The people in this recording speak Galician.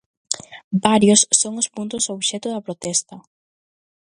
Varios son os puntos obxecto da protesta.